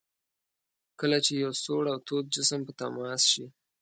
کله چې یو سوړ او تود جسم په تماس شي.